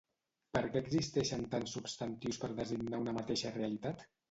Per què existeixen tants substantius per designar una mateixa realitat?